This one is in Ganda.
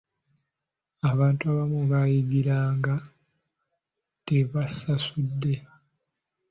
Abantu abamu baayingiranga tebasasudde.